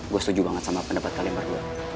gue setuju banget sama pendapat kalian berdua